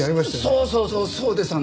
そうそうそうそうです！